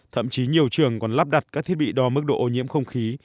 thậm chí nhiều trường còn lắp đặt các thiết bị đo mức độ ô nhiễm không khí